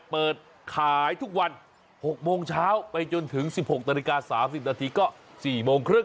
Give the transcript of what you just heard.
เปิดขายทุกวัน๖โมงเช้าไปจนถึง๑๖นาฬิกา๓๐นาทีก็๔โมงครึ่ง